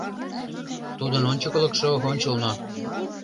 Тудын ончыклыкшо — ончылно.